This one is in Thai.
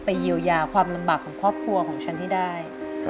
เยียวยาความลำบากของครอบครัวของฉันให้ได้